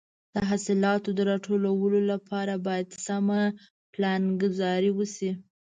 د حاصلاتو د راټولولو لپاره باید سمه پلانګذاري وشي.